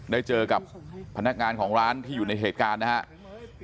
ได้เจอกับพนักงานของร้านที่อยู่ในเหตุการณ์นะครับ